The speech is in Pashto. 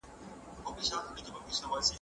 انسان باید له نورو سره نیک چلند وکړي.